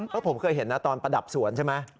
ก็ผมเคยเห็นนะตอนประดับสวนใช่ไหม